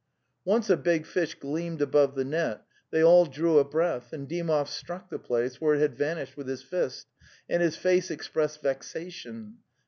"' Once a big fish gleamed above the net; they all drew a breath, and Dymov struck the place where it had vanished with his fist, and his face expressed vexation.